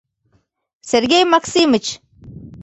Сергей Максимыч!